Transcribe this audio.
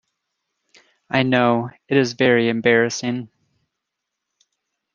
I know; it is very embarrassing.